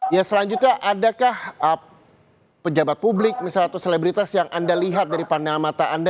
ya selanjutnya adakah pejabat publik misalnya atau selebritas yang anda lihat dari pandangan mata anda